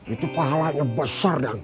itu pahalanya besar dan